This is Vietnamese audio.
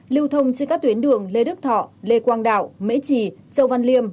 lưu thông trên các tuyến đường lê đức thọ lê quang đạo mễ trì châu văn liêm